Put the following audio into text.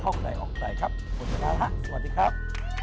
โปรดติดตามตอนต่อไป